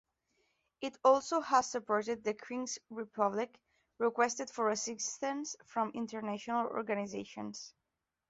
It also has supported the Kyrgyz Republic's requests for assistance from international organizations.